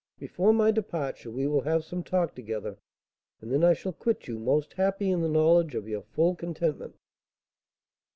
Before my departure we will have some talk together, and then I shall quit you, most happy in the knowledge of your full contentment."